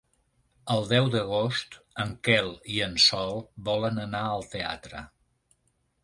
El deu d'agost en Quel i en Sol volen anar al teatre.